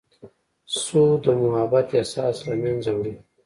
سود د محبت احساس له منځه وړي.